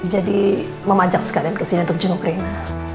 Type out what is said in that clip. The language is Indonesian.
jadi mama ajak sekalian ke sini untuk jenguk rena